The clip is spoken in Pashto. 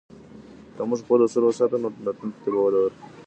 که موږ خپل اصول وساتو، نو راتلونکي ته به وده ورکوو.